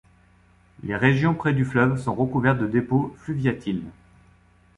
Les régions près du fleuve sont recouvertes de dépôts fluviatiles.